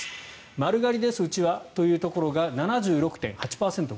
丸刈りです、うちはというところは５年前７６．８％。